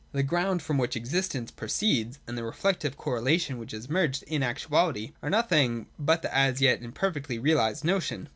The ground from which existence pro ceeds, and the reflective correlation which is merged in actuality, are nothing but the as yet imperfectly realised notion.